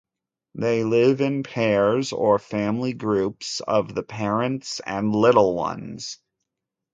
They live in pairs or family groups of the parents and little ones.